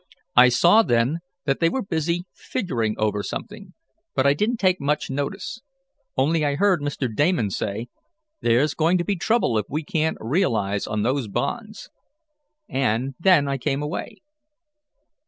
I saw, then, that they were busy figuring over something, but I didn't take much notice. Only I heard Mr. Damon say: 'There's going to be trouble if we can't realize on those bonds,' and then I came away."